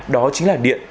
đó chính là điện